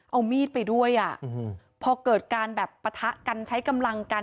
เอามีดไปด้วยอ่ะพอเกิดการแบบปะทะกันใช้กำลังกัน